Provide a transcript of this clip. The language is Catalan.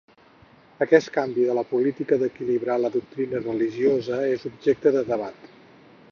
Aquest canvi de la política d'equilibrar la doctrina religiosa és objecte de debat.